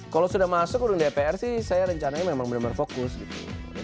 kalau sudah masuk gedung dpr sih saya rencananya memang benar benar fokus gitu